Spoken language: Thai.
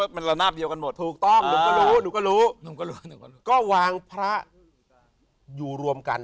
มันละนาทเดียวกันหมดถูกต้องหนูก็รู้ก็รู้ก็วางพระอยู่รวมกัน